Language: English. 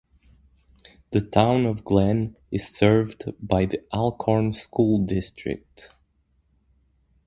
The town of Glen is served by the Alcorn School District.